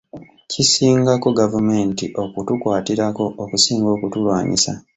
Kisingako gavumenti okutukwatirako okusinga okutulwanyisa.